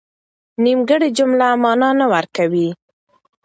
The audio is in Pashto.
نيمګړې جمله مانا نه ورکوي.